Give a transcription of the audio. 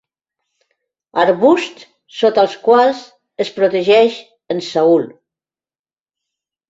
Arbusts sota els quals es protegeix en Saül.